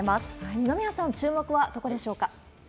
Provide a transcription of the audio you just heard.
二宮さん、注目はどこでしょうか？